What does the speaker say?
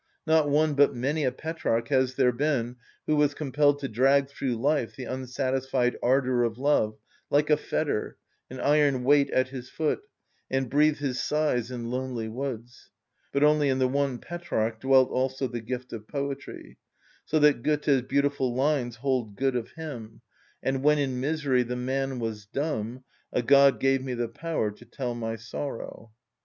Not one but many a Petrarch has there been who was compelled to drag through life the unsatisfied ardour of love, like a fetter, an iron weight at his foot, and breathe his sighs in lonely woods; but only in the one Petrarch dwelt also the gift of poetry; so that Goethe's beautiful lines hold good of him:— "And when in misery the man was dumb A god gave me the power to tell my sorrow."